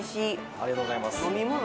ありがとうございます。